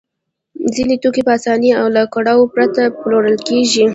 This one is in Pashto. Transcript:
ځینې توکي په اسانۍ او له کړاوه پرته پلورل کېږي